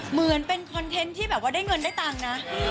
เหมือนเป็นคอนเทนต์ที่แบบว่าได้เงินได้ตังค์นะ